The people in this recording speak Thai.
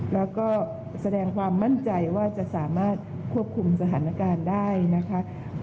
แล้วก็แสดงความมั่นใจว่าจะสามารถควบคุมสถานการณ์ได้นะคะ